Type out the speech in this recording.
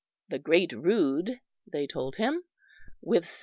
The great Rood, they told him, with SS.